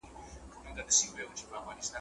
ما به څه غوښتای له نظمه ما به څه غوښتای له درده ,